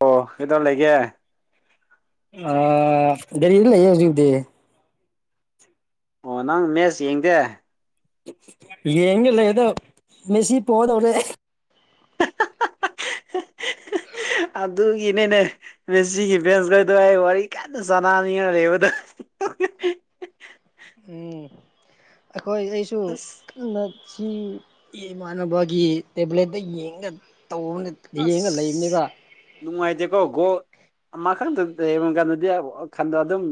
ꯑꯣ ꯀꯩꯗꯥ ꯂꯩꯒꯦ ꯑꯥ ꯒꯔꯤꯗ ꯂꯩꯌꯦ ꯍꯧꯖꯤꯛꯗꯤ ꯑꯣ ꯅꯪ ꯃꯦꯠꯆ ꯌꯦꯡꯗꯦ ꯌꯦꯡꯒ ꯂꯩ ꯑꯗꯣ ꯃꯦꯁꯤ ꯄꯣꯗꯧꯔꯦ ꯑꯗꯨꯒꯤꯅꯦꯅꯦ ꯃꯦꯁꯤꯒꯤ ꯚꯦꯟꯁꯈꯗꯣ ꯑꯩ ꯋꯥꯔꯤ ꯀꯟꯅ ꯆꯅꯅꯤꯡꯉ ꯂꯩꯕꯗꫭ [inaudible] ꯎꯝ ꯑꯩꯈꯣꯏ ꯑꯩꯁꯨ ꯑꯁ ꯑꯗꯨꯅ ꯁꯤ ꯏꯃꯥꯟꯅꯕꯒꯤ ꯇꯦꯕ꯭ꯂꯦꯠꯇ ꯌꯦꯡꯒ ꯇꯧꯕꯅꯦ ꯑꯁ ꯅꯨꯡꯉꯥꯏꯇꯦꯀꯣ ꯒꯣꯜ ꯑꯃ ꯈꯟꯗꯡ ꯂꯩꯕ ꯀꯥꯟꯗꯗꯤ ꯈꯟꯗ ꯑꯗꯨꯝ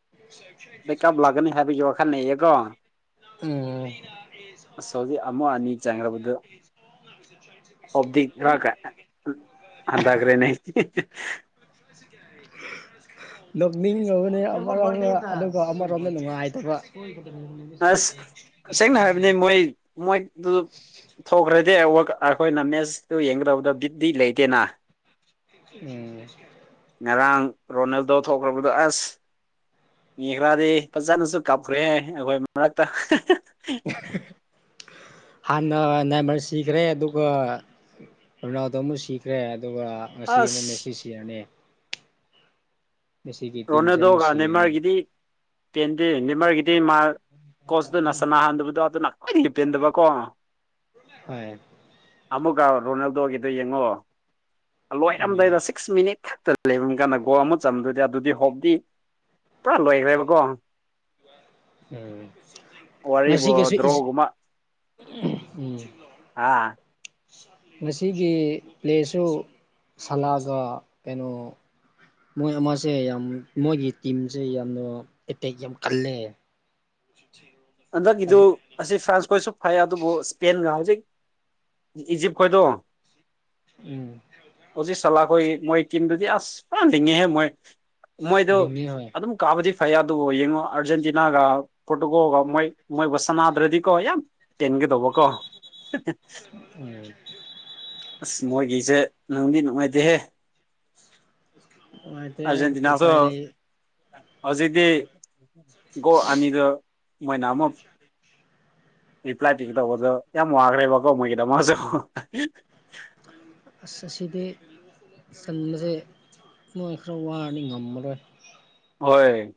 [unintelligible] ꯈꯪꯅꯩꯌꯦꯀꯣ ꯎꯝ ꯑꯁ ꯍꯧꯖꯤꯛ ꯑꯃꯥ ꯑꯅꯤ ꯆꯪꯈ꯭ꯔꯕꯗꯨ ꯍꯞꯗꯤ ꯏꯔꯥꯛ ꯀ ꯑꯟꯗꯒ꯭ꯔꯦꯅꯦ [unintelligible] ꯅꯣꯛꯅꯤꯡꯉꯕꯅꯦ ꯑꯃꯔꯣꯝꯗ ꯑꯗꯨꯒ ꯑꯃꯔꯣꯝꯗ ꯅꯨꯡꯉꯥꯏꯇꯕ ꯑꯁ ꯁꯦꯡꯅ ꯍꯥꯏꯕꯅꯦ ꯃꯣꯏ ꯃꯣꯏꯗꯨ ꯊꯣꯛꯈ꯭ꯔꯗꯤ ꯑꯩꯈꯣꯏꯅ ꯃꯦꯁꯇꯨ ꯌꯦꯡꯒꯗꯕꯗ ꯕꯤꯠꯗꯤ ꯂꯩꯇꯦꯅ ꯎꯝ ꯉꯔꯥꯡ ꯔꯣꯅꯦꯜꯗꯣ ꯊꯣꯛꯈ꯭ꯔꯕꯗꯣ ꯑꯁ ꯌꯦꯡꯈ꯭ꯔꯗꯤ ꯐꯖꯅꯁꯨ ꯀꯥꯞꯈ꯭ꯔꯦ ꯑꯩꯈꯣꯏ ꯃꯔꯛꯇ ꯍꯥꯟꯅ ꯅꯥꯏꯕꯔ ꯁꯤꯈ꯭ꯔꯦ ꯑꯗꯨꯒ ꯔꯅꯥꯎꯗ ꯑꯃꯨꯛ ꯁꯤꯈ꯭ꯔꯦ ꯑꯗꯨꯒ ꯉꯁꯤ ꯑꯃꯨꯛ ꯑꯁ ꯃꯦꯁꯤ ꯁꯤꯔꯅꯤ ꯉꯒꯤ ꯇꯤꯝꯁꯦ ꯑꯃꯨꯛ ꯁꯤꯔꯅꯤ ꯄꯦꯟꯗꯦꯅꯤ ꯃꯔꯒꯤꯗꯤ ꯃꯥ ꯀꯣꯆꯇ ꯅꯁ ꯅꯥꯍꯟꯗꯕꯗꯣ ꯑꯗꯨꯅ ꯀꯗꯒꯤ ꯄꯦꯟꯗꯕꯀꯣ ꯍ ꯑꯃꯨꯛꯀ ꯔꯣꯅꯥꯜꯗꯣꯒꯤꯗꯨꯣ ꯌꯦꯡꯉꯣ ꯎꯝ ꯂꯣꯏꯔꯝꯗꯥꯣꯏꯗ ꯁꯤꯛꯁ ꯃꯤꯅꯤꯠ ꯈꯛꯇ ꯂꯩꯐꯝ ꯀꯥꯟꯗ ꯒꯣ ꯑꯃ ꯆꯝꯗꯣꯏꯗꯤ ꯑꯗꯨꯗꯤ ꯍꯣꯞꯗꯤ ꯄꯨꯔꯥ ꯂꯣꯏꯈ꯭ꯔꯦꯕꯀꯣ ꯎꯝ ꯋꯥꯕ ꯉꯁꯤꯒꯤꯁꯨ ꯗ꯭ꯔꯣꯍ ꯈꯨꯃ ꯎꯝ ꯑꯥ ꯉꯁꯤꯒꯤ ꯄ꯭ꯂꯦꯁꯨ ꯍꯜꯂꯛꯑꯒ ꯀꯩꯅꯣ ꯃꯣꯏ ꯑꯃꯁꯦ ꯌꯥꯝ ꯃꯣꯏꯒꯤ ꯇꯤꯝꯁꯦ ꯌꯥꯝꯅ ꯑꯦꯇꯦꯛ ꯌꯥꯝ ꯈꯜꯂꯦ [unintelligible] ꯍꯟꯗꯛꯀꯤꯗꯨ ꯑꯁꯤ ꯐ꯭ꯔꯥꯟꯁꯀꯣꯏꯁꯨ ꯐꯩ ꯑꯗꯨꯕꯨ ꯏꯁꯄꯦꯟꯒ ꯍꯧꯖꯤꯛ ꯏꯖꯤꯞ ꯈꯣꯏꯗꯣ ꯎꯝ ꯑꯣꯖꯤ ꯆꯂꯥꯈꯣꯏ ꯃꯣꯏ ꯀꯅꯤꯗꯨꯗꯤ ꯑꯁ ꯄꯥꯟꯂꯤꯉꯦꯍꯦ ꯃꯣꯏ ꯃꯣꯏꯗꯣ ꯂꯤꯡꯉꯦ ꯍꯣꯏ ꯑꯗꯨꯝ ꯀꯥꯕꯗꯤ ꯐꯩ ꯑꯗꯨꯕꯨ ꯌꯦꯡꯉꯣ ꯑꯥꯔꯖꯦꯟꯇꯤꯅꯥꯒ ꯄꯣꯔꯇꯨꯒꯣꯜꯒ ꯃꯣꯏ ꯃꯣꯏꯕꯨ ꯁꯅꯥꯗ꯭ꯔꯗꯤꯀꯣ ꯌꯥꯝ ꯇꯦꯟꯒꯗꯧꯕꯀꯣ ꯎꯝ ꯑꯁ ꯃꯣꯏꯒꯤꯁꯦ ꯅꯨꯡꯗꯤ ꯅꯨꯡꯉꯥꯏꯇꯦꯍꯦ ꯅꯨꯡꯉꯥꯏꯇꯦ ꯑꯔꯖꯇꯤꯅꯥ ꯑꯁꯣ ꯎꯄꯥꯏ ꯂꯩ ꯍꯧꯖꯤꯗꯤ ꯣ ꯑꯅꯤꯗ ꯃꯥꯏꯅꯥ ꯑꯃ ꯔꯤꯄ꯭ꯂꯥꯏ ꯄꯤꯒꯦ ꯇꯧꯕꯗꯣ ꯌꯥꯝ ꯋꯥꯈ꯭ꯔꯦꯕꯀꯣ ꯃꯣꯏꯒꯤꯗꯃꯁꯨ ꯑꯁ ꯑꯁꯤꯗꯤ ꯁꯟꯕꯁꯦ ꯅꯣꯏ ꯈꯔ ꯋꯥꯅ ꯉꯝꯃꯔꯣꯏ ꯍꯣꯏ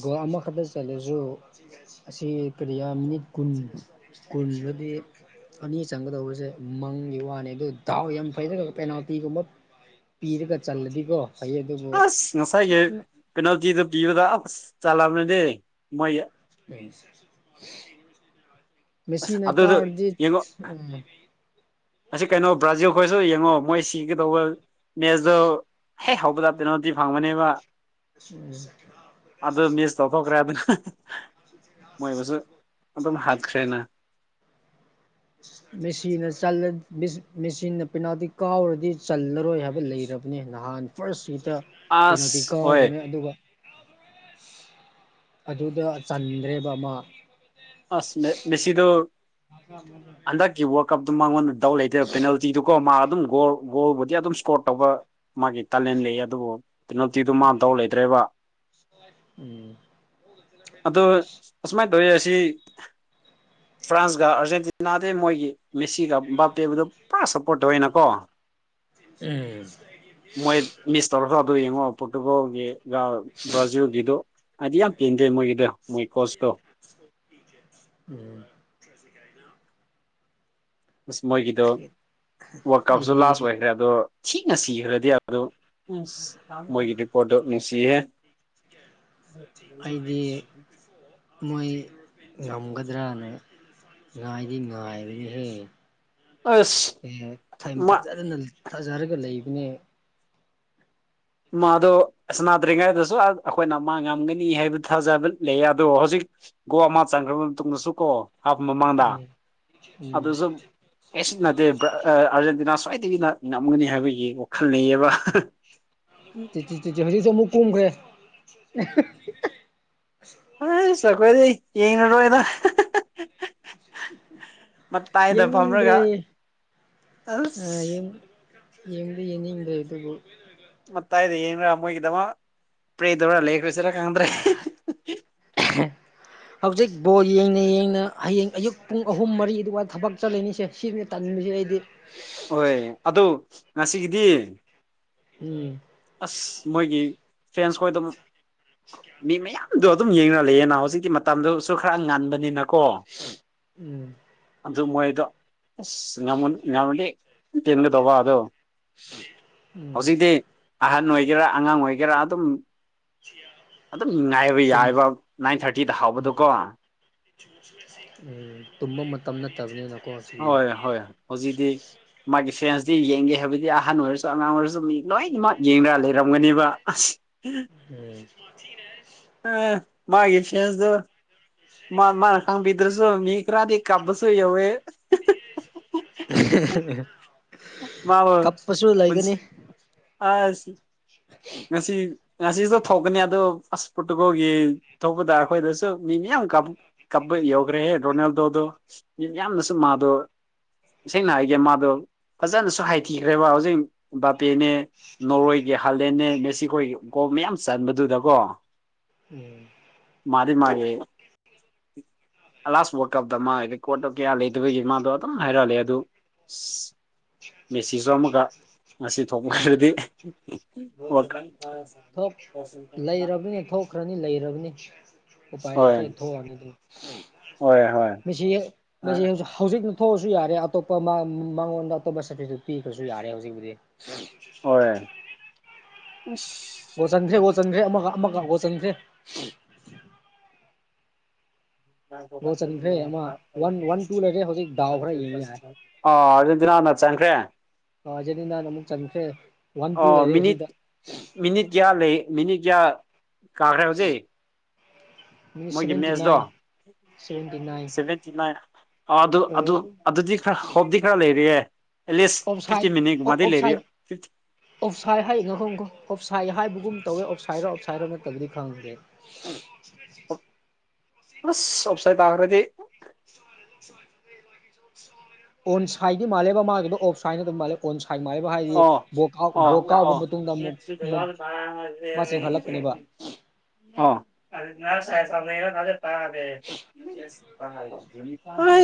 ꯒꯣ ꯑꯃ ꯈꯕꯔ ꯆꯦꯁꯨꯣ ꯑꯁꯤ ꯀꯔꯤ ꯃꯤꯅꯤꯠ ꯀꯨꯟ ꯀꯨꯟꯗꯗꯤ ꯑꯅꯤ ꯆꯪꯒꯗꯧꯕꯁꯦ ꯃꯪꯒꯤ ꯋꯥꯅꯤ ꯑꯗꯨ ꯗꯥꯎ ꯌꯥꯝ ꯐꯩꯗ꯭ꯔꯦ ꯄꯦꯅꯥꯜꯇꯤꯒꯨꯝꯕ ꯄꯤꯔꯒ ꯆꯜꯂꯗꯤꯀꯣ ꯐꯩꯌꯦ ꯑꯗꯨꯕꯨ ꯑꯁ ꯉꯁꯥꯏꯒꯤ ꯄꯦꯅꯥꯜꯇꯤꯗꯨ ꯄꯤꯕꯗ ꯑꯁ ꯆꯜꯂꯕꯅꯤꯅꯦ ꯃꯣꯏ ꯑꯁ ꯃꯁꯤꯅꯥ ꯑꯗꯨꯗꯣ ꯀꯥꯔꯗꯤ ꯌꯦꯡꯉꯣ ꯎꯝ ꯑꯁꯤ ꯀꯩꯅꯣ ꯕ꯭ꯔꯥꯖꯤꯜ ꯈꯣꯏꯔꯁꯨ ꯌꯦꯡꯉꯣ ꯃꯣꯏ ꯁꯤꯒꯗꯧꯕ ꯃꯦꯁꯇꯣ ꯍꯦꯛ ꯍꯧꯕꯗ ꯇꯦꯩꯅꯣꯇꯗꯤ ꯐꯪꯕꯅꯦꯕ ꯎꯝ ꯆꯥꯎꯊꯣꯛꯈ꯭ꯔꯦ ꯑꯗꯨꯅ ꯃꯣꯏꯕꯨꯁꯨ ꯑꯗꯨꯝ ꯍꯥꯠꯈ꯭ꯔꯦꯅ ꯃꯦꯆꯤꯟꯅ ꯃꯦꯆꯤꯟꯅ ꯄꯦꯅꯥꯜꯇꯤ ꯀꯥꯎꯔꯗꯤ ꯆꯜꯂꯔꯣꯏ ꯍꯥꯏꯕ ꯂꯩꯔꯕ ꯅꯍꯥꯟ ꯐꯥꯔꯁ ꯁꯨꯠꯇ ꯑꯁ ꯀꯩꯅꯣꯗꯤ ꯍꯣꯏ ꯀꯥꯎꯕꯅꯦ ꯑꯗꯨꯒ ꯑꯗꯨꯗ ꯆꯟꯗ꯭ꯔꯦꯕ ꯑꯃ ꯑꯁ ꯃꯦꯁꯤꯗꯨ ꯍꯟꯗꯛꯀꯤ ꯋꯥ ꯀꯞꯗꯨ ꯃꯥꯣꯟ ꯗꯥꯎ ꯂꯩꯇꯦꯕ ꯄꯦꯅꯥꯜꯇꯤꯗꯨꯀꯣ ꯃꯥ ꯑꯗꯨꯝ ꯒꯣꯜ ꯒꯣꯜꯕꯨꯗꯤ ꯑꯗꯨꯝ ꯏꯁꯀꯣꯔ ꯇꯧꯕ ꯃꯥꯒꯤ ꯇꯥꯂꯦꯟ ꯂꯩꯑ ꯑꯗꯨꯕꯨ ꯄꯦꯅꯦꯜꯇꯤꯗꯨ ꯃꯥ ꯇꯧ ꯂꯩꯇ꯭ꯔꯦꯕ ꯎꯝ ꯑꯗꯣ ꯑꯁꯨꯃꯥꯏꯅ ꯇꯧꯋꯤ ꯑꯁꯤ ꯐ꯭ꯔꯥꯟꯁꯒ ꯑꯥꯔꯖꯦꯟꯇꯤꯅꯥ ꯑꯗꯩ ꯃꯣꯏꯒꯤ ꯃꯦꯁꯤꯒ ꯕꯥꯞꯄꯦꯕꯗ ꯄꯨ ꯁ ꯠꯇ ꯑꯣꯏꯅꯀꯣ ꯎꯝ ꯃꯣꯏ ꯃꯤꯁ ꯇꯧꯔꯁꯨ ꯑꯗꯨ ꯌꯦꯡꯉꯣ ꯄꯣꯔꯇꯨꯒꯜꯒꯤꯒ ꯕ꯭ꯔꯥꯖꯤꯜ ꯑꯗꯨꯗꯣ ꯍꯥꯏꯗꯤ ꯌꯥꯝ ꯄꯦꯟꯗꯦ ꯃꯣꯏꯒꯤꯗ ꯃꯣꯏ ꯀꯣꯆꯇꯣ ꯎꯝ ꯑꯁ ꯃꯣꯏꯒꯤꯗꯣ ꯋꯥꯔꯜ ꯀꯞꯁꯨ ꯑꯩꯗꯤ ꯂꯥꯁ ꯑꯣꯏꯈ꯭ꯔꯦꯕ ꯑꯗꯣ ꯊꯤꯅ ꯁꯤꯈ꯭ꯔꯗꯤ ꯑꯗꯣ ꯎ ꯃꯣꯏꯒꯤ ꯔꯤꯄꯣꯔꯠꯇꯣ ꯅꯨꯡꯁꯤꯌꯦꯦ ꯑꯩꯗꯤ ꯃꯣꯏ ꯉꯝꯒꯗ꯭ꯔꯅ ꯉꯥꯏꯗꯤ ꯉꯥꯏꯕꯅꯤꯍꯦ ꯑꯁ ꯃꯥ ꯑꯦꯥꯖꯅ ꯊꯥꯖꯔꯒ ꯂꯩꯕꯅꯦ ꯃꯥꯗꯣ ꯁꯅꯥꯗ꯭ꯔꯤꯉꯩꯗꯁꯨ ꯑ ꯑꯩꯈꯣꯏꯅ ꯃꯥ ꯉꯝꯒꯅꯤ ꯍꯥꯏꯕ ꯊꯥꯖꯕ ꯂꯩ ꯑꯗꯣ ꯍꯧꯖꯤꯛ ꯒꯣꯜ ꯑꯃ ꯆꯪꯈ꯭ꯔꯕ ꯃꯇꯨꯡꯗꯁꯨ ꯀꯣ ꯍꯥꯞ ꯃꯃꯥꯡꯗ ꯎꯝ ꯎꯝ ꯑꯗꯨꯁꯨ ꯀꯩꯁꯨ ꯅꯠꯇꯦ ꯑꯥꯔꯖꯦꯟꯇꯤꯅꯥ ꯁꯣꯏꯗꯥꯒꯤꯅꯥ ꯉꯝꯒꯅꯤ ꯍꯥꯏꯕꯒꯤ ꯋꯥꯈꯜ ꯂꯩꯌꯦꯕ ꯆꯤꯆꯤ ꯆꯤꯆꯤ ꯍꯧꯖꯤꯛꯁꯨ ꯑꯃꯨꯛ ꯀꯨꯝꯈ꯭ꯔꯦ ꯑꯁ ꯑꯈꯣꯏꯗꯤ ꯌꯦꯡꯉꯥꯔꯣꯏꯗ ꯐꯝꯔꯒ ꯌꯦꯡꯅꯤꯡꯗ꯭ꯔꯦ ꯑ ꯑꯁ ꯌꯦꯡ [unintelligible] ꯌꯦꯡꯗꯤ ꯌꯦꯡꯅꯤꯡꯗꯔꯦ ꯑꯗꯨꯕꯨ ꯃꯇꯥꯏꯗ ꯌꯦꯡꯒ ꯃꯣꯏꯒꯤꯗꯃꯛ ꯄ꯭ꯔꯦ ꯇꯧꯔ ꯂꯩꯈ꯭ꯔꯁꯤꯔ ꯈꯪꯗ꯭ꯔꯦ [unintelligible] ꯍꯧꯖꯤꯛ ꯕꯣꯜ ꯌꯦꯡꯅ ꯌꯦꯡꯅ ꯍꯌꯦꯡ ꯑꯌꯨꯛ ꯄꯨꯡ ꯑꯍꯨꯝ ꯃꯔꯤ ꯑꯗꯨꯋꯥ ꯊꯕꯛ ꯆꯠꯂꯤꯅꯤꯁꯦ ꯁꯤꯅꯦ [unintelligible] ꯇꯟꯂꯤꯖꯦ ꯑꯩꯗꯤ ꯍꯣꯏ ꯑꯗꯨ ꯉꯁꯤꯒꯤꯗꯤ ꯎꯝ ꯑꯁ ꯃꯣꯏꯒꯤ ꯐꯔꯦꯟꯁ ꯈꯣꯏꯗꯨ ꯃꯤ ꯃꯌꯥꯝ ꯑꯗꯣ ꯑꯗꯨꯝ ꯌꯦꯡꯅ ꯂꯩꯌꯦꯅ ꯍꯧꯖꯤꯛꯀꯤ ꯃꯇꯝꯗꯨꯁꯨ ꯈꯔ ꯉꯥꯟꯕꯅꯤꯅ ꯀꯣ ꯎꯝ ꯑꯗꯨ ꯃꯣꯏꯗꯣ ꯑꯁ ꯉꯝꯃ ꯉꯝꯃꯗꯤ ꯌꯦꯡꯒꯗꯧꯕ ꯑꯗꯣ ꯎꯝ ꯍꯧꯖꯤꯛꯇꯤ ꯑꯍꯟ ꯑꯣꯏꯒꯦꯔꯥ ꯑꯉꯥꯡ ꯑꯣꯏꯒꯦꯔꯥ ꯑꯗꯨꯝ ꯑꯗꯨꯝ ꯉꯥꯏꯕ ꯇꯨꯝ ꯌꯥꯏꯕ ꯅꯥꯏꯟ ꯊꯥꯔꯇꯤꯗ ꯍꯧꯕꯗꯨ ꯎꯝ ꯀꯣ ꯎꯝ ꯇꯨꯝꯕ ꯃꯇꯝ ꯅꯠꯇꯕꯅꯤꯅ ꯍꯣꯏ ꯍꯣꯏ ꯍꯧꯖꯤꯛꯇꯤ ꯃꯥꯒꯤ ꯐꯦꯟꯁꯇꯤ ꯌꯦꯡꯒꯦ ꯍꯥꯏꯕꯗꯤ ꯑꯍꯟ ꯑꯣꯏꯔꯁꯨ ꯑꯉꯥꯡ ꯑꯣꯏꯔꯁꯨ ꯃꯤ ꯂꯣꯏꯅꯃꯛ ꯌꯦꯡꯅ ꯂꯩꯔꯝꯒꯅꯦꯕ ꯑꯁ ꯎꯝ ꯑ ꯃꯥꯒꯤ ꯐꯦꯟꯁꯇꯣ ꯃꯥ ꯃꯅ ꯈꯥꯪꯕꯤꯗ꯭ꯔꯁꯨ ꯃꯤ ꯀ꯭ꯔꯥꯗꯤ ꯀꯞꯄꯥꯁꯨꯨ ꯌꯥꯎꯋꯦ ꯃꯥꯕꯨ ꯀꯞꯄꯁꯨ ꯂꯩꯥꯒꯅꯤ ꯑꯁ ꯉꯁꯤ ꯉꯁꯤꯁꯨ ꯊꯣꯛꯀꯅꯤ ꯑꯗꯣ ꯑꯁ ꯄꯣꯔꯇꯨꯒꯜꯒꯤ ꯊꯣꯛꯄꯗ ꯑꯩꯈꯣꯏꯗꯁꯨ ꯃꯤ ꯃꯤꯌꯥꯝ ꯀꯞ ꯀꯞ ꯌꯧꯈ꯭ꯔꯦꯍꯦ ꯔꯣꯅꯥꯜꯗꯣꯗꯣ ꯌꯥꯝꯅꯁꯨ ꯃꯥꯗꯣ ꯁꯦꯡꯅ ꯍꯥꯏꯒꯦ ꯃꯥꯗꯣ ꯐꯖꯅꯁꯨ ꯍꯥꯏꯊꯤꯈ꯭ꯔꯦꯕ ꯍꯧꯖꯤꯛ ꯕꯥꯄꯦꯅꯦ ꯅꯣꯔꯋꯦꯒꯤ [unintelligible] ꯃꯦꯁꯤꯈꯣꯏꯒꯤ ꯒꯣꯜ ꯃꯌꯥꯝ ꯆꯟꯕꯗꯨꯗꯀꯣ ꯎꯝ ꯃꯥꯟꯗꯤ ꯃꯥꯜꯂꯦ ꯂꯥꯁ ꯋꯥꯜ ꯀꯞ ꯇꯥ ꯃꯥꯒꯤ ꯔꯦꯀꯣꯔꯠꯇꯣ ꯀꯌꯥ ꯂꯩꯇꯕꯒꯤ ꯃꯥꯗꯨ ꯑꯗꯨꯝ ꯍꯥꯏꯔ ꯂꯩ ꯑꯗꯨ ꯑꯁ ꯃꯦꯁꯤꯁꯨ ꯑꯃꯨꯛꯀ ꯉꯁꯤ ꯊꯣꯛꯈꯤꯕ [unintelligible] ꯊꯣꯛ ꯂꯩꯔꯕꯅꯤ ꯊꯣꯛꯈ꯭ꯔꯅꯤ ꯂꯩꯔꯕꯅꯤ ꯎꯄꯥꯏ ꯂꯩꯇꯦ ꯍꯣꯏ ꯊꯣꯛꯑꯅꯤ ꯑꯗꯨꯝ ꯍꯣꯏ ꯍꯣꯏ ꯃꯦꯁꯤꯖꯦ ꯃꯦꯁꯤ [unintelligible] ꯍꯧꯖꯤꯛꯅ ꯊꯣꯛꯑꯁꯨ ꯌꯥꯔꯦ ꯑꯇꯣꯞꯄ ꯃꯉꯣꯟꯗ ꯑꯇꯣꯞꯄ [unintelligible] ꯄꯤꯈ꯭ꯔꯁꯨ ꯌꯥꯔꯦ ꯍꯧꯖꯤꯛꯄꯨꯗꯤ ꯍꯣꯏ ꯑꯁ ꯒꯣꯜ ꯆꯟꯈ꯭ꯔꯦ ꯒꯣꯜ ꯆꯟꯈ꯭ꯔꯦ ꯑꯃꯒ ꯑꯃꯒ ꯒꯣꯜ ꯆꯟꯈ꯭ꯔꯦ ꯒꯣꯜ ꯆꯟꯈ꯭ꯔꯦ ꯑꯃꯥ ꯋꯥꯟ ꯇꯨ ꯂꯩꯔꯦ ꯍꯧꯖꯤꯛ ꯗꯥꯎꯈꯔꯥ ꯌꯥꯏ ꯑ ꯑꯥꯔꯖꯦꯟꯇꯤꯅꯥꯅ ꯆꯟꯈ꯭ꯔꯦ ꯑ ꯑꯔꯖꯦꯟꯇꯤꯅꯥꯅ ꯑꯃꯨꯛ ꯆꯟꯈ꯭ꯔꯦ ꯋꯥꯟ ꯇꯨ ꯑꯣ ꯂꯩꯔꯦ ꯃꯤꯅꯤꯠ ꯍꯧꯖꯤꯛꯛꯇ ꯃꯤꯅꯤꯠ ꯀꯌꯥ ꯂꯩ ꯃꯤꯅꯤꯠ ꯀꯌꯥ ꯀꯥꯈ꯭ꯔꯦ ꯍꯧꯖꯤꯛ minute seventy nine seventy nine seventy nine ꯑꯗꯨ ꯑꯗꯨ ꯑꯗꯨꯗꯤ ꯈꯔ [unintelligible] ꯈꯔ ꯂꯩꯔꯤꯑꯦ ꯑꯦꯠꯂꯤꯁ ꯑꯣꯞꯁꯥꯏꯠ ꯐꯤꯐꯇꯤ ꯃꯤꯅꯤꯠꯀꯨꯝꯕꯗꯤ ꯑꯣꯞꯁꯥꯏꯠ ꯂꯩꯔꯤꯌꯦ ꯑꯣꯞꯁꯥꯏꯠ ꯍꯥꯏꯌꯦ ꯉꯈꯣꯈ ꯑꯣꯞꯁꯥꯏ ꯍꯥꯏꯕꯒꯨꯝ ꯇꯧꯋꯦ ꯑꯣꯞꯁꯥꯏꯗꯔꯣ ꯑꯣꯞꯁꯥꯏꯗꯔꯣ ꯅꯠꯇꯕꯗꯤ ꯈꯪꯗꯦ ꯑꯣꯞꯁꯥꯏ ꯄꯈꯔꯗꯤ [inaudible] [inaudible] ꯑꯣꯟ ꯁꯥꯏꯠꯗꯤ ꯃꯥꯜꯂꯦꯕ ꯃꯥꯒꯤꯗꯣ ꯑꯣꯐ ꯁꯥꯏꯠꯅ ꯑꯗꯨꯝ ꯃꯥꯜꯂꯦꯕ ꯑꯣꯟ ꯁꯥꯏꯃꯥꯏꯕ ꯍꯥꯏꯗꯤ ꯑꯣ ꯕꯣꯔꯥꯎ ꯑꯣ ꯕꯣꯔ ꯑꯣ ꯀꯥꯎꯕ ꯃꯇꯨꯡꯗ ꯑꯃꯨꯛ ꯃꯥ ꯆꯤꯡꯈꯠꯂꯛꯄꯅꯦꯕ ꯑꯗꯨ ꯆꯦ ꯇꯦ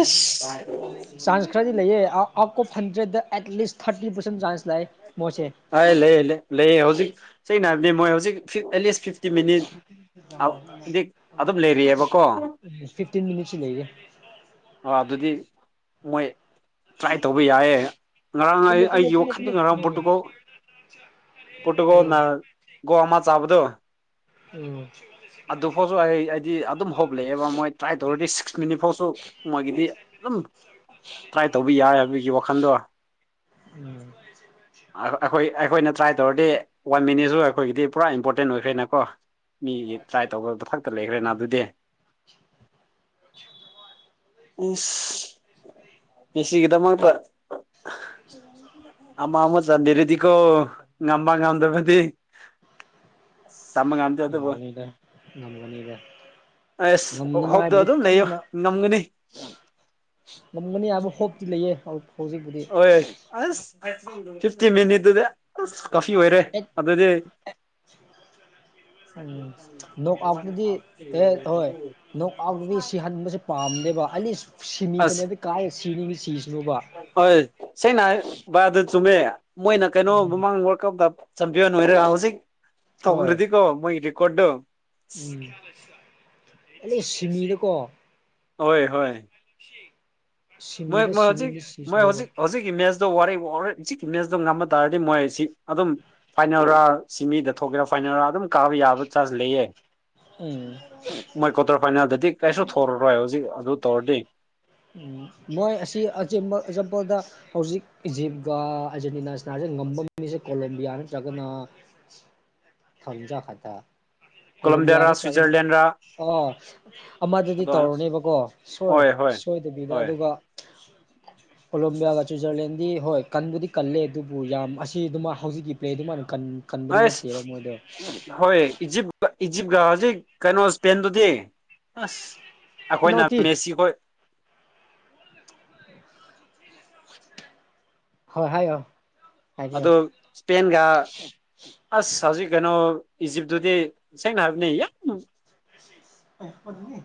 ꯆꯥꯟꯁ ꯈꯔꯗꯤ ꯇ ꯂꯩꯌꯦ out of hundred at least thirty percent chance ꯂꯥꯛꯑꯦ ꯃꯣꯏꯁꯦ ꯑꯩ ꯂꯩꯌꯦ ꯂꯩ ꯂꯩꯌꯦ ꯍꯧꯖꯤꯛ ꯁꯦꯡꯅ ꯍꯥꯏꯔꯕꯗꯤ ꯃꯣꯏ ꯍꯧꯖꯤꯛ ꯐꯤ ꯑꯦꯠꯂꯤꯁ ꯐꯤ ꯑꯗꯨꯝ ꯂꯩꯔꯤꯑꯕꯀꯣ ꯎ ꯐꯤꯐꯇꯤꯟ ꯃꯤ ꯂꯩꯦ ꯑ ꯑꯗꯨꯗꯤ ꯃꯣꯏ ꯇ꯭ꯔꯥꯏ ꯇꯧꯕ ꯌꯥꯌꯦꯦ ꯉꯔꯥꯡ ꯀꯨꯝꯃꯣ ꯀꯨꯝꯃꯣ ꯑꯩꯒꯤ ꯀꯨꯝꯃꯣ ꯋꯥꯈꯠꯅꯤꯡ ꯀꯨꯝꯃꯣ ꯉꯔꯥꯡ ꯄꯣꯠꯇꯨꯀꯣ ꯄꯨꯨꯠꯒꯣ ꯎꯝ ꯅꯒꯣꯃ ꯆꯥꯕꯗ ꯎꯝ ꯑꯗꯨ ꯐꯁꯨ ꯍꯥꯏ ꯗꯤ ꯑꯗꯨꯝ ꯍꯣꯞꯂꯛꯑꯦꯕ ꯃꯣꯏ ꯇ꯭ꯔꯥꯏ ꯇꯧꯔꯗꯤ ꯁꯤꯛꯁ ꯃꯤꯅꯤꯠ ꯐꯥꯎꯁꯨ ꯃꯣꯏꯒꯤꯗꯤ ꯑꯗꯨꯝ ꯇ꯭ꯔꯥꯏ ꯇꯧꯕ ꯌꯥꯏ ꯍꯥꯏꯕꯒꯤ ꯋꯥꯈꯟꯗꯣ ꯎꯝ ꯑꯩꯈꯣꯏ ꯑꯩꯈꯣꯏꯅ ꯇ꯭ꯔꯥꯏ ꯗꯤ ꯋꯥꯟ ꯃꯤꯅꯤꯠꯁꯨ ꯑꯩꯈꯣꯏꯒꯤꯗꯤ ꯄꯨꯔꯥ ꯏꯝꯄꯣꯔꯇꯦꯟ ꯑꯣꯏꯈ꯭ꯔꯦꯅꯀꯣ ꯃꯤꯒꯤ ꯇ꯭ꯔꯥꯏ ꯇꯧꯕ ꯈꯛꯇ ꯂꯩꯈ꯭ꯔꯦꯅ ꯑꯗꯨꯗꯤ [inaudible] ꯏꯁ ꯁꯤꯒꯤꯗꯃꯛꯇ ꯑꯃꯃ ꯆꯥꯟꯗꯔꯗꯤꯀꯣ ꯉꯝꯕꯥꯡ ꯉꯝꯗ ꯃꯗꯤ ꯆꯃ ꯉꯥꯟ ꯅꯒꯅꯤꯗ ꯅꯒꯅꯤꯗ ꯑꯦꯁ ꯍꯣꯞꯗꯣ ꯑꯗꯨ ꯂꯩꯌꯣ ꯉꯝꯒꯅꯤ ꯉꯒꯅꯤ ꯑꯕ ꯍꯣꯞꯇꯤ ꯂꯩꯌꯦꯜꯄ ꯍꯣꯏ ꯍꯣꯏ ꯑ ꯐꯤꯐꯇꯤ ꯃꯤꯅꯤꯠꯗ ꯀꯁꯤ ꯑꯣꯏꯔꯦ ꯍꯦꯛ ꯑꯗꯨꯗꯤ ꯎꯝ ꯅꯣꯛ ꯑꯥꯎꯠꯇꯨꯗꯤ ꯑꯦ ꯍꯣꯏ ꯅꯣꯛ ꯑꯥꯎꯠꯇꯨꯗꯤ ꯁꯤ ꯍꯟꯕꯁꯦ ꯄꯥꯝꯅꯦꯦꯕ ꯑꯂꯤ ꯁꯤꯅꯤ ꯑꯁ ꯐꯅꯗꯤ ꯀꯥꯏ ꯍ ꯁꯤꯅꯤꯉꯤ ꯁꯤꯁꯤꯅꯣꯕ ꯍꯣꯏ ꯁꯦꯡꯅ ꯕꯥꯗꯨ ꯆꯨꯝꯃꯦ ꯃꯣꯏꯅ ꯀꯩꯅꯣ ꯃꯃꯥꯡ ꯋꯥꯔꯞꯇ ꯆꯄ ꯋꯥ ꯅ ꯍꯧꯖꯤ ꯍꯣꯏ ꯇꯧꯔꯗꯤꯀꯣ ꯃꯣꯏꯔꯀꯣꯗꯣ ꯎꯝ ꯑ ꯁꯤꯃꯤꯗꯀꯣ ꯍꯣꯏ ꯍꯣꯏ ꯁꯤꯃꯤꯗꯦ ꯁꯤꯃꯤꯗ ꯁꯤꯁꯂꯕ ꯛꯀꯤ ꯃꯦꯁꯣ ꯋꯥꯔꯔ ꯏꯤꯛꯀꯤ ꯃꯦꯁꯇꯣ ꯉꯝꯕ ꯇꯔꯗꯤ ꯃꯣꯏꯁꯤ ꯑꯗꯨꯝ ꯐꯥꯏꯅꯔꯥ ꯁꯤꯃꯤꯗ ꯊꯣꯛꯀꯦꯔꯥ ꯐꯥꯏꯅꯔꯥ ꯑꯗꯨꯝ ꯀꯥꯕ ꯌꯥꯕ ꯆꯥꯟꯖ ꯂꯩꯌꯦ ꯎꯝ ꯃꯣꯏ ꯀ꯭ꯋꯥꯇꯔ ꯐꯥꯏꯅꯦꯜꯗꯗꯤ ꯀꯩꯁꯨ ꯊꯧꯔꯔꯣꯏ ꯍꯧꯖꯤꯛ ꯑꯗꯨ ꯇꯧꯔꯗꯤ ꯎ ꯃꯣꯏ ꯑꯁꯤ ꯑꯆꯦꯝꯕ ꯑꯦꯛꯖꯥꯝꯄꯜꯗ ꯍꯧꯖꯤꯛ ꯏꯖꯤꯞꯀ ꯑꯥꯔꯖꯦꯟꯇꯤꯅꯥ ꯁꯤꯅꯥꯁꯦ ꯉꯝꯕ ꯃꯤꯁꯦ ꯀꯣꯂꯣꯕꯤꯌꯥ ꯅꯠꯇ꯭ꯔꯒꯅ ꯊꯪꯖꯥ ꯈꯥ ꯀꯣꯂꯝꯕꯤꯌꯥ ꯔ ꯁꯋꯤꯖꯔꯂꯦꯟꯗ ꯔ ꯑ ꯑꯃꯗꯨꯗꯤ ꯇꯧꯔꯨꯅꯦꯕꯀꯣ ꯁꯣꯏ ꯁꯣꯏꯗꯕꯤꯗ ꯑꯗꯨꯒ ꯎꯝ ꯀꯂꯦꯝꯣꯕꯤꯌꯥꯒ ꯁ꯭ꯋꯤꯖꯔꯂꯦꯟꯗꯤ ꯍꯣꯏ ꯀꯟꯕꯨꯗꯤ ꯀꯜꯂꯦ ꯑꯗꯨꯕꯨ ꯌꯥꯝ ꯑꯁꯤ ꯑꯗꯨꯃ ꯍꯧꯖꯤꯛꯀꯤ ꯄ꯭ꯂꯦꯗꯨꯃꯥꯏꯅ ꯀꯟ ꯀꯟꯕꯗꯤ ꯅꯠꯇꯦꯕ ꯑꯁ ꯃꯣꯏꯗꯣ ꯍꯣꯏ ꯏꯖꯤꯞꯇ ꯏꯖꯤꯞꯀ ꯍꯧꯖꯤꯛ ꯀꯩꯅꯣ ꯏꯁꯄꯦꯟꯗꯨꯗꯤ ꯑꯁ ꯑꯩꯈꯣꯏꯅ ꯄꯤꯅꯥꯜꯇꯤ ꯃꯦꯁꯤꯈꯣꯏ ꯍꯣꯏ ꯍꯥꯏꯌꯣ ꯑꯗꯨ ꯍꯥꯏꯕꯤꯌꯣ ꯏꯁꯄꯦꯟꯒ ꯑꯁ ꯍꯧꯖꯤꯛ ꯀꯩꯅꯣ ꯏꯖꯤꯞꯇꯨꯗꯤ ꯁꯦꯡꯅ ꯍꯥꯏꯕꯅꯦ ꯌꯥꯝ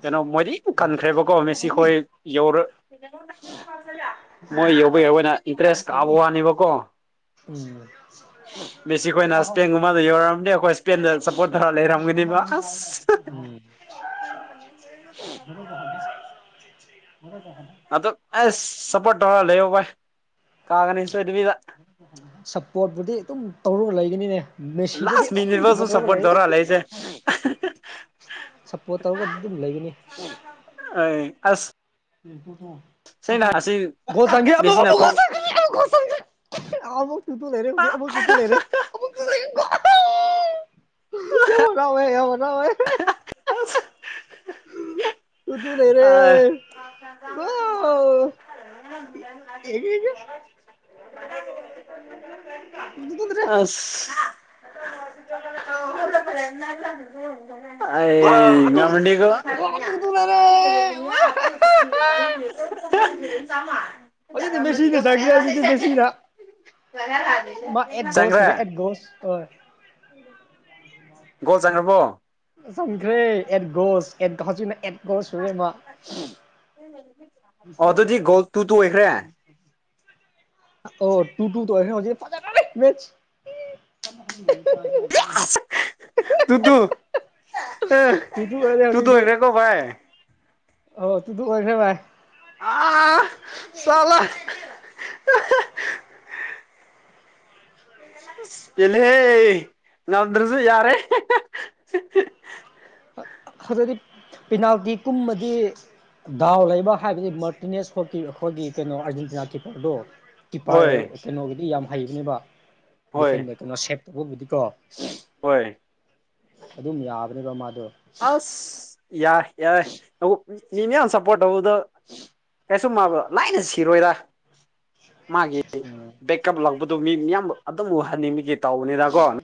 ꯀꯩꯅꯣ ꯃꯣꯏꯗꯤ ꯀꯟꯈ꯭ꯔꯦꯕꯀꯣ ꯃꯦꯁꯤ ꯈꯣꯏ ꯌꯥꯎꯔꯛ ꯃꯣꯏ ꯌꯧꯕ ꯌꯥꯎꯌꯦꯅ ꯏꯟꯇꯔꯦꯁ ꯀꯥꯕ ꯋꯥꯅꯦꯕꯀꯣ ꯎꯝ ꯃꯦꯁꯤ ꯈꯣꯏꯅ ꯁꯄꯦꯟ ꯒꯨꯝꯕꯗ ꯌꯧꯔꯝꯅꯤ ꯑꯩꯈꯣꯏ ꯁꯄꯦꯟꯗ ꯁꯞꯄꯣꯔꯠ ꯇꯧꯔ ꯂꯩꯔꯝꯒꯅꯤꯕ ꯑꯁ ꯎꯝ [unintelligible] ꯑꯗꯨ ꯑꯦꯁ ꯁꯞꯄꯣꯔꯠ ꯇꯧꯔꯒ ꯂꯩꯌꯣ ꯚꯥꯏ ꯀꯥꯒꯅꯤ ꯁꯣꯏꯗꯕꯤꯗ ꯁꯞꯄꯣꯔꯠꯄꯨꯗꯤ ꯑꯗꯨꯝ ꯇꯧꯔꯒ ꯂꯩꯒꯅꯤꯅꯦ ꯃꯦꯁꯤꯗꯗꯤ ꯂꯥꯁ ꯑꯗꯨꯝ ꯃꯤꯅꯤꯠꯐꯥꯎꯁꯨ ꯁꯞꯄꯣꯔꯠ ꯇꯧꯔꯒ ꯂꯩꯔꯦ ꯇꯧꯔ ꯂꯩꯁꯦ ꯁꯞꯄꯣꯔꯠ ꯇꯧꯔꯒꯗꯤ ꯑꯗꯨꯝ ꯂꯩꯒꯅꯤ ꯑꯩ ꯑꯁ [unintelligible] ꯁꯤꯅ ꯑꯁꯤ ꯃꯦꯁꯤꯅ ꯐꯧ ꯑꯃꯨꯛ ꯇꯨ ꯇꯨ ꯂꯩꯔꯦ ꯍꯧꯖꯤꯛ ꯑꯃꯃꯨꯛ ꯇꯨ ꯇꯨ ꯂꯩꯔꯦ ꯑꯃꯨꯛꯀ [unintelligible] ꯌꯥꯝ ꯍꯔꯥꯎꯋꯦ ꯌꯥꯝ ꯍꯔꯥꯎꯋꯦ ꯑꯁ ꯇꯨ ꯇꯨ ꯂꯩꯔꯦ ꯒꯣꯜ [unintelligible] [unintelligible] ꯑꯁ [inaudible] ꯑꯥꯢ ꯒꯣꯜ ꯉꯝꯃꯅꯤꯀꯣ ꯒꯣꯜ ꯇꯨ ꯇꯨ ꯂꯩꯔꯦ ꯍꯧꯖꯤꯛꯇꯤ ꯃꯦꯁꯤꯅ ꯆꯟꯈ꯭ꯔꯦ ꯍꯧꯖꯤꯛꯇꯤ ꯃꯦꯁꯤꯅ [inaudible] ꯃꯥ ꯑꯦꯠ ꯒꯣꯜ ꯆꯪꯈ꯭ꯔꯦ ꯁꯨꯔꯦ ꯑꯦꯠ ꯒꯣꯜ ꯒꯣꯜ ꯆꯟꯒꯔꯕꯣ ꯆꯪꯈ꯭ꯔꯦ ꯑꯦꯠ ꯒꯣꯜ ꯑꯦꯠ ꯍꯧꯖꯤꯛꯅ ꯑꯦꯠ ꯒꯣꯜ ꯁꯨꯔꯦ ꯃꯥ ꯑꯣ ꯑꯗꯨꯗꯤ ꯒꯣꯜ ꯇꯨ ꯇꯨ ꯑꯣꯏꯈ꯭ꯔꯦ ꯑꯣ ꯇꯨ ꯇꯨ ꯑꯣꯏꯈꯔꯦ ꯍꯧꯖꯤꯛ ꯐꯥꯖꯔꯅꯤ ꯃꯠꯆ [unintelligible] ꯑꯁ ꯇꯨ ꯇꯨ ꯑꯪ ꯇꯨ ꯑꯣꯏꯔꯦ ꯇꯨ ꯇꯨ ꯍꯧꯖꯤꯛꯇꯤ ꯑꯣꯢꯈꯔꯦ ꯀꯣ ꯚꯥꯏ ꯑꯣ ꯇꯨ ꯇꯨ ꯑꯣꯏꯈ꯭ꯔꯦ ꯚꯥꯏ ꯑꯥ ꯁꯜꯂꯥ ꯄꯦꯟꯂꯍꯦ ꯉꯝꯗ꯭ꯔꯁꯨ ꯌꯥꯔꯦ [unintelligible] ꯗꯥꯎ ꯂꯩꯕ ꯍꯥꯏꯕꯗꯤ ꯃꯔꯇꯤꯅꯦꯁ [unintelligible] ꯑꯥꯔꯖꯦꯟꯇꯤꯅꯥ ꯀꯤꯞꯄꯔꯗꯨꯣ ꯀꯤꯄꯔ ꯍꯣꯏ ꯀꯩꯅꯣꯒꯤꯗꯤ ꯌꯥꯝ ꯍꯩꯕꯅꯦꯕ ꯍꯣꯏ ꯗꯤꯐꯦꯟꯗ ꯀꯩꯅꯣ ꯁꯦꯞ ꯇꯧꯕꯕꯨꯗꯤꯀꯣ ꯍꯣꯏ ꯑꯗꯨꯝ ꯌꯥꯕꯅꯦꯕ ꯃꯥꯗꯣ ꯑꯁ ꯌꯥꯏ ꯌꯥꯏ ꯃꯤ ꯃꯌꯥꯝ ꯁꯄꯣꯔꯠ ꯇꯧꯕꯗ ꯀꯩꯁꯨꯨꯝ ꯃꯥꯕꯨ ꯂꯥꯏꯅ ꯁꯤꯔꯣꯏꯗ ꯃꯥꯒꯤ ꯎꯝ ꯕꯦꯛ ꯀꯞꯂꯛꯄꯗꯨ ꯃꯤ ꯃꯤꯌꯥꯝ ꯑꯗꯨꯝ ꯎꯍꯟꯅꯤꯡꯕꯒꯤ ꯇꯧꯕꯅꯤꯗꯀꯣ